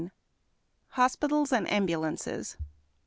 HOSPITALS AND AMBULANCES.